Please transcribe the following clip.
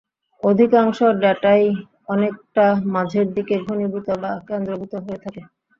অধিকাংশ ডেটাই অনেকটা মাঝের দিকে ঘনীভূত বা কেন্দ্রভুত হয়ে থাকে।